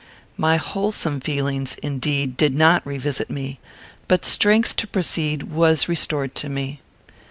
My wholesome feelings, indeed, did not revisit me, but strength to proceed was restored to me.